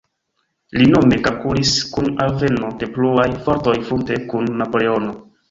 Li nome kalkulis kun alveno de pluaj fortoj frunte kun Napoleono.